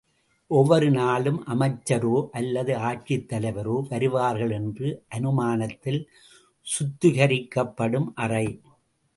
ஒவ்வொரு நாளும், அமைச்சரோ அல்லது ஆட்சித் தலைவரோ வருவார்கள் என்ற அனுமானத்தில் சுத்திகரிக்கப்படும் அறை.